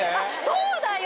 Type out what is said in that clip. そうだよ！